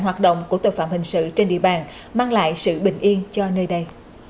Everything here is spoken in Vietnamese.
hoạt động của tội phạm hình sự trên địa bàn mang lại sự bình yên cho nơi đây